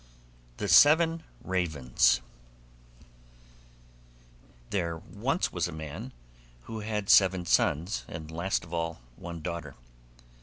THE SEVEN RAVENS There was once a man who had seven sons, and last of all one daughter.